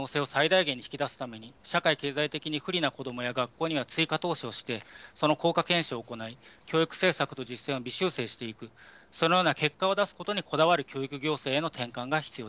すべての子どもの可能性を最大限に引き出すために、社会経済的に不利な子どもや学校には追加投資をして、その効果検証を行い、教育政策と実践を微修正していく、そのような結果を出すことにこだ